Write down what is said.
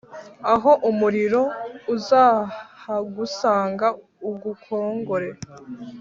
Aho umuriro uzahagusanga ugukongore